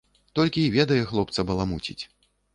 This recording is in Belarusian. Толькі й ведае хлопца баламуціць.